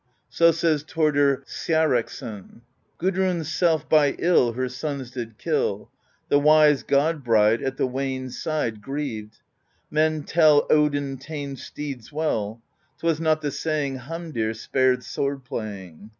So says Thordr Sjareksson : Gudriin's self by ill Her sons did kill; The wise God bride At the Wane's side Grieved; men tell Odin tamed steeds well; 'T was not the saying Hamdir spared sword playing.